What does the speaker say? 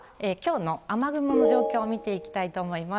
では今日の雨雲の状況見ていきたいと思います。